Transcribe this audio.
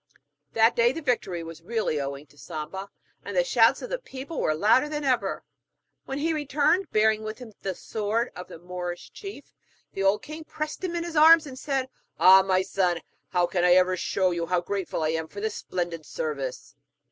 That day the victory was really owing to Samba, and the shouts of the people were louder than ever. When he returned, bearing with him the sword of the Moorish chief, the old king pressed him in his arms and said: 'Oh, my son, how can I ever show you how grateful I am for this splendid service?'